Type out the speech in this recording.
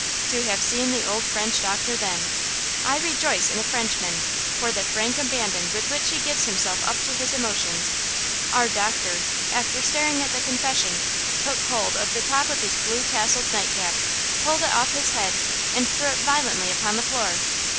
To have seen the old French doctor then! I rejoice in a Frenchman, for the frank abandon with which he gives himself up to his emotions! Our doctor, after staring at the confession, took hold of the top of his blue tasseled night cap, pulled it off his head and threw it violently upon the floor!